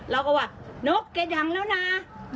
เรากับว่านกเก่งร้องแล้วน่า